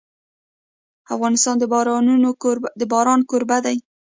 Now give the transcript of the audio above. افغانستان د باران کوربه دی.